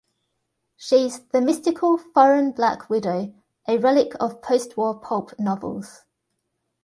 She's the mystical, foreign black widow, a relic of postwar pulp novels.